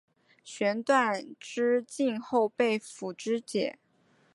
弦断矢尽后被俘支解。